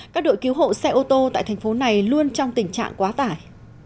các đội cứu hộ xe ô tô tại thành phố này luôn trong tình trạng quá tải